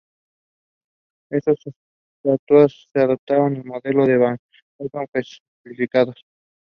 She has received the Jamnalal Bajaj Award and the Nari Shakti Puraskar.